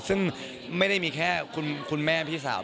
ซึ่งไม่ได้มีแค่คุณแม่พี่สาว